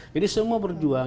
jadi semua berjuang